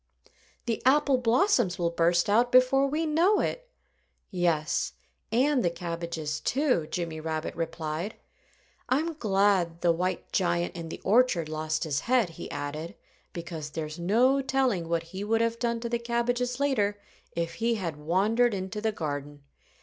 "The apple blossoms will burst out before we know it." "Yes and the cabbages, too," Jimmy Rabbit replied. "I'm glad the white giant in the orchard lost his head," he added, "because there's no telling what he would have done to the cabbages later, if he had wandered into the garden.